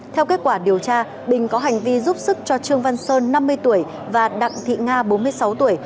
theo kết quả điều tra bình có hành vi giúp sức cho trương văn sơn năm mươi tuổi và đặng thị nga bốn mươi sáu tuổi